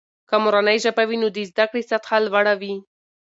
که مورنۍ ژبه وي، نو د زده کړې سطحه لوړه وي.